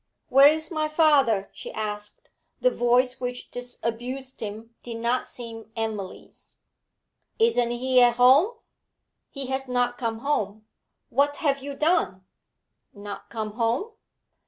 'Where is my father?' she asked; the voice which disabused him did not seem Emily's. 'Isn't he at home?' 'He has not come home. What have you done?' 'Not come home?'